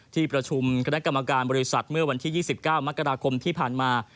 ที่ประชุมคณะกรรมการบริษัทเมื่อวันที่๒๙มกราคมที่ผ่านมา